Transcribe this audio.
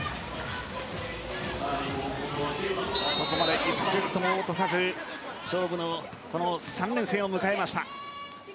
ここまで１セットも落とさず勝負の３連戦を迎えました。